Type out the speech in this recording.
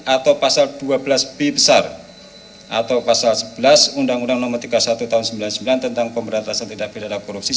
atau pasal dua belas b besar atau pasal sebelas undang undang nomor tiga puluh satu tahun seribu sembilan ratus sembilan puluh sembilan tentang pemberantasan tindak pidana korupsi